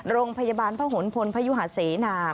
โรงพยาบาลพระหลพลพยุหาเสนา